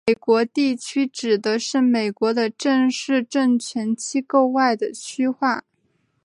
美国地区指的美国的正式政权机构外的区划。